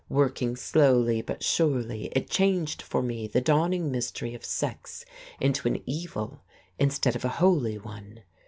Working slowly but surely, it changed for me the dawning mystery of sex into an evil instead of a holy one.